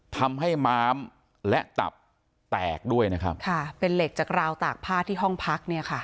ทำให้ม้ามและตับแตกด้วยนะครับค่ะเป็นเหล็กจากราวตากผ้าที่ห้องพักเนี่ยค่ะ